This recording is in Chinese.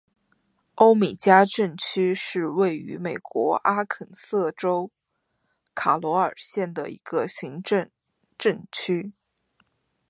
欧米加镇区是位于美国阿肯色州卡罗尔县的一个行政镇区。